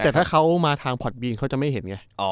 แต่ถ้าเขามาทางพอดบีนเขาจะไม่เห็นไง